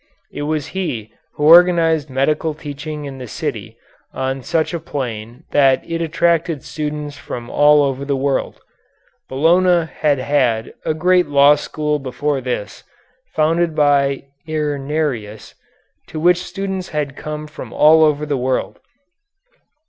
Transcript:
It was he who organized medical teaching in the city on such a plane that it attracted students from all over the world. Bologna had had a great law school before this, founded by Irnerius, to which students had come from all over the world.